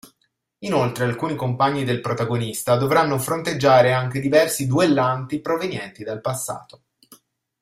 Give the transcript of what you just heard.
Inoltre alcuni compagni del protagonista dovranno fronteggiare anche diversi duellanti provenienti dal passato.